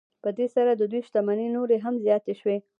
په دې سره د دوی شتمنۍ نورې هم زیاتې شوې